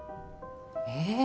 ええ？